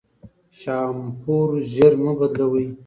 شامپو ژر مه بدلوی.